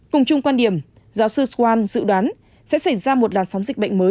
cùng chung quan điểm giáo sư swal dự đoán sẽ xảy ra một làn sóng dịch bệnh mới